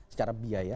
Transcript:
secara biaya ya